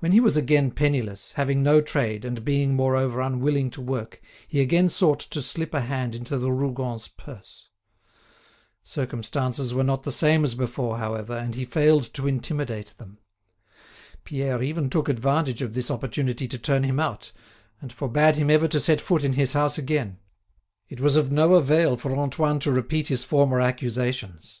When he was again penniless, having no trade, and being, moreover, unwilling to work, he again sought to slip a hand into the Rougons' purse. Circumstances were not the same as before, however, and he failed to intimidate them. Pierre even took advantage of this opportunity to turn him out, and forbade him ever to set foot in his house again. It was of no avail for Antoine to repeat his former accusations.